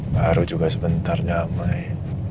baru juga sebentar nyamai